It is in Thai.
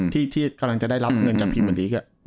ที่กำลังจะได้รับเงินจับผิดเหมือนที